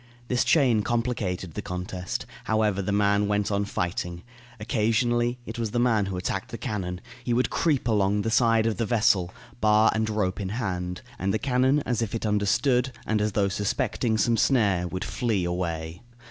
This chain complicated the contest. However, the man went on fighting. Occasionally, it was the man who attacked the cannon; he would creep along the side of the vessel, bar and rope in hand; and the cannon, as if it understood, and as though suspecting some snare, would flee away.